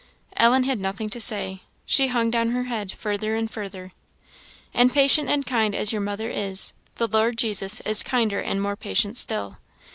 Ellen had nothing to say; she hung down her head further and further. "And patient and kind as your mother is, the Lord Jesus is kinder and more patient still.